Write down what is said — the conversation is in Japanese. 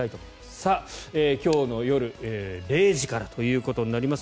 さあ、今日の夜０時からということになります。